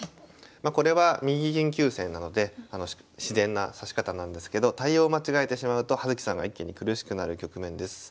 これは右銀急戦なので自然な指し方なんですけど対応間違えてしまうと葉月さんが一気に苦しくなる局面です。